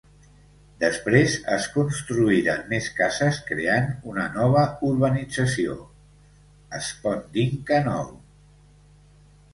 Després es construïren més cases creant una nova urbanització, es Pont d'Inca nou.